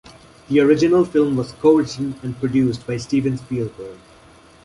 The original film was co-written and produced by Steven Spielberg.